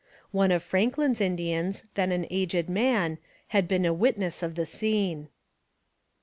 One of Franklin's Indians, then an aged man, had been a witness of the scene.